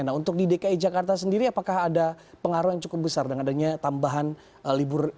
nah untuk di dki jakarta sendiri apakah ada pengaruh yang cukup besar dengan adanya tambahan libur